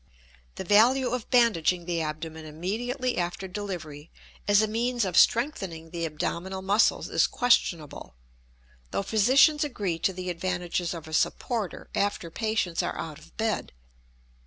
The value of bandaging the abdomen immediately after delivery as a means of strengthening the abdominal muscles is questionable; though physicians agree to the advantages of a supporter after patients are out of bed.